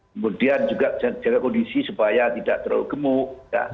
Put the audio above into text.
kemudian juga jaga kondisi supaya tidak terlalu gemuk